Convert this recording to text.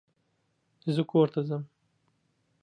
زه کورته ځم